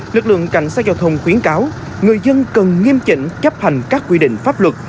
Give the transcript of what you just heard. lực lượng cảnh sát giao thông khuyến cáo người dân cần nghiêm chỉnh chấp hành các quy định pháp luật